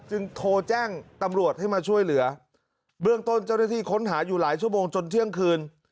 โทรแจ้งตำรวจให้มาช่วยเหลือเบื้องต้นเจ้าหน้าที่ค้นหาอยู่หลายชั่วโมงจนเที่ยงคืน